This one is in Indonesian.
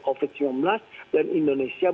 covid sembilan belas dan indonesia